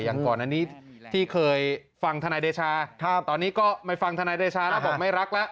อย่างก่อนอันนี้ที่เคยฟังธนายเดชาตอนนี้ก็ไม่ฟังทนายเดชาแล้วบอกไม่รักแล้ว